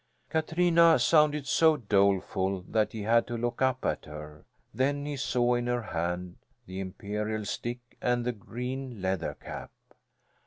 Katrina sounded so doleful that he had to look up at her. Then he saw in her hand the imperial stick and the green leather cap.